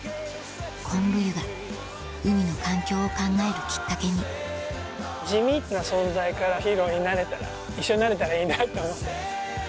昆布湯が海の環境を考えるきっかけに地味な存在からヒーローになれたら一緒になれたらいいなって思ってます。